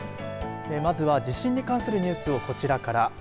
まずは地震に関するニュースをこちらから。